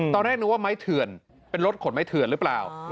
ตอนแรกนึกว่าไม้เถื่อนเป็นรถขนไม้เถื่อนหรือเปล่า